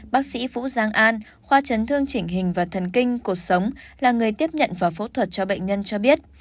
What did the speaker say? bác sĩ vũ giang an khoa chấn thương chỉnh hình và thần kinh cuộc sống là người tiếp nhận và phẫu thuật cho bệnh nhân cho biết